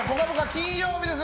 金曜日です。